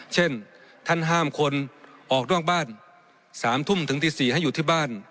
เช่นท่านห้ามคนออกนอกบ้าน๓ทุ่มถึงตี๔ให้อยู่ที่บ้าน